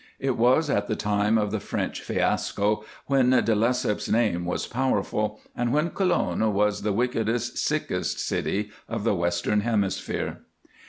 It was at the time of the French fiasco, when De Lesseps's name was powerful, and when Colon was the wickedest, sickest city of the Western Hemisphere.